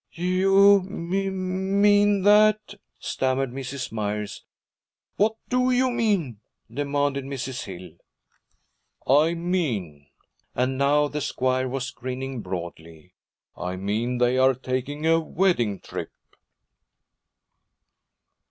'You m m mean that ' stammered Mrs. Myers. 'What do you mean?' demanded Mrs. Hill. 'I mean,' and now the squire was grinning broadly, 'I mean they are taking a wedding trip.'